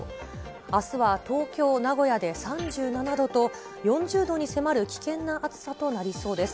あすは東京、名古屋で３７度と、４０度に迫る危険な暑さとなりそうです。